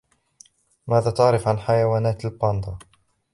ماذا تعرف عن حيوانات الباندا ؟